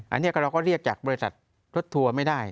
อันนี้เราก็เรียกจากบริษัทรถทัวร์ไม่ได้